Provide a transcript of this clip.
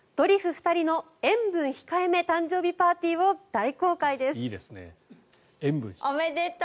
２人の塩分控えめ誕生日パーティーを大公開です。